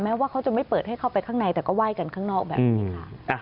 ว่าเขาจะไม่เปิดให้เข้าไปข้างในแต่ก็ไหว้กันข้างนอกแบบนี้ค่ะ